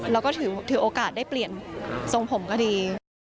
แล้วก็ถือโอกาสได้เปลี่ยนทรงผมก็ดี